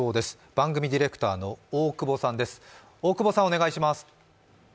番組ディレクターの大久保さんです。